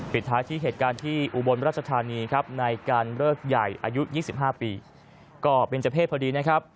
ปิดท้ายที่เหตุการณ์ที่อุบลราชธานีครับในการเลิกใหญ่อายุ๒๕ปีก็เป็นเจ้าเพศพอดีนะครับ